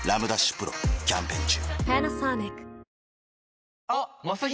丕劭蓮キャンペーン中